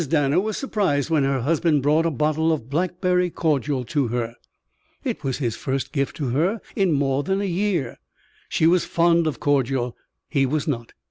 Danner was surprised when her husband brought a bottle of blackberry cordial to her. It was his first gift to her in more than a year. She was fond of cordial. He was not.